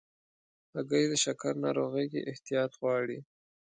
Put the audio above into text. هګۍ د شکر ناروغۍ کې احتیاط غواړي.